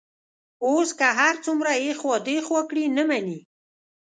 اوس که هر څومره ایخوا دیخوا کړي، نه مني.